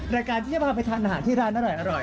รายการที่จะพาไปทานอาหารที่ร้านอร่อย